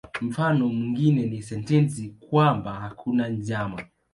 Mfano mwingine ni sentensi kwamba "hakuna njama".